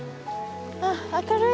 あっ明るい。